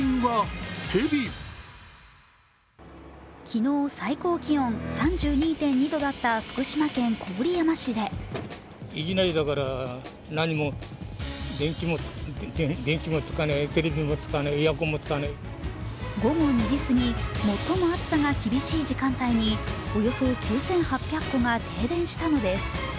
昨日最高気温３２．２度だった福島県郡山市で午後２時すぎ、最も暑さが厳しい時間帯におよそ９８００戸が停電したのです。